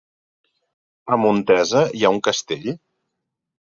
A Montesa hi ha un castell?